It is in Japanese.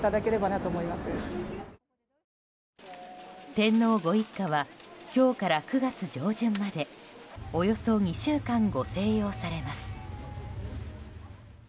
天皇ご一家は今日から９月上旬までおよそ２週間ご静養されます。